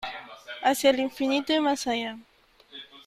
¡ Hacia el infinito y más allá !